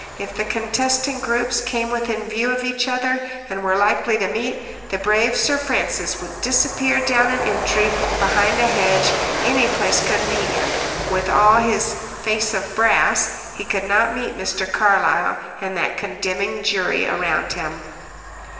If the contesting groups came within view of each other, and were likely to meet, the brave Sir Francis would disappear down an entry, behind a hedge, any place convenient; with all his "face of brass," he could not meet Mr. Carlyle and that condemning jury around him.